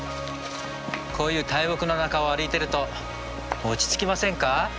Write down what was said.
こういう大木の中を歩いてると落ち着きませんか？